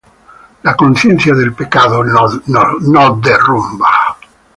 ¡la conciencia del pecado nos derrumba!